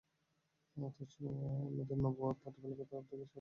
অথচ অন্যদের নবুওত প্রতিপালকের তরফ থেকে সত্য ও যথার্থ।